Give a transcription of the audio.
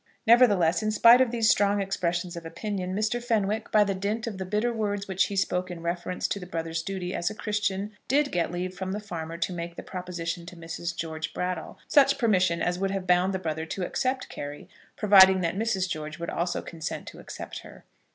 Nevertheless, in spite of these strong expressions of opinion, Mr. Fenwick, by the dint of the bitter words which he spoke in reference to the brother's duty as a Christian, did get leave from the farmer to make the proposition to Mrs. George Brattle, such permission as would have bound the brother to accept Carry, providing that Mrs. George would also consent to accept her.